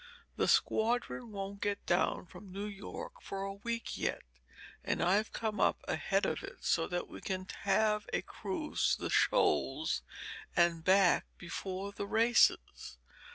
The squadron won't get down from New York for a week yet, and I've come up ahead of it so that we can have a cruise to the Shoals and back before the races.